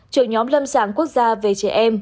trường nhóm lâm sản quốc gia về trẻ em